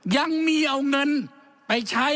ยังมีเอาเงินไปใช้